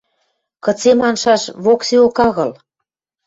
Кыце маншаш... воксеок агыл.